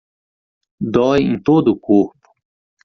Dói em todo o corpo